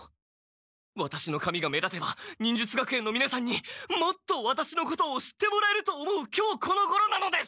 ワタシの髪が目立てば忍術学園のみなさんにもっとワタシのことを知ってもらえると思うきょうこのごろなのです！